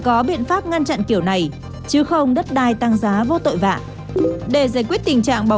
có biện pháp ngăn chặn kiểu này chứ không đất đai tăng giá vô tội vạ để giải quyết tình trạng bảo